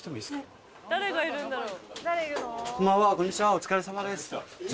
お疲れさまです。